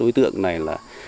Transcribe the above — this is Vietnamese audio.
đối tượng này là